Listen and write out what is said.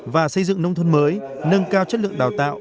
và xây dựng nông thôn mới nâng cao chất lượng đào tạo